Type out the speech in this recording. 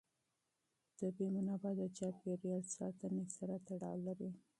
طبیعي منابع د چاپېر یال ساتنې سره تړاو لري.